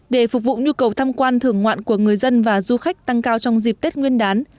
để phục vụ nhu cầu tham quan thưởng ngoạn của người dân và du khách tăng cao trong dịp tết nguyên đán